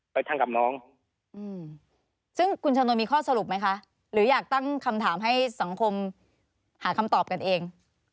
ท่านกับน้องซึ่งคุณชะนวลมีข้อสรุปไหมคะหรืออยากตั้งคำถามให้สังคมหาคำตอบกันเอง